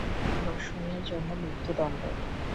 ধর্ষণের জন্য মৃত্যুদণ্ড।